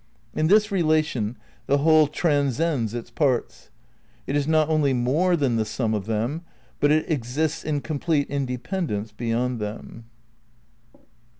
In this rela tion the Whole transcends its parts. It is not only more than the sum of them, but it exists in complete independence be yond them.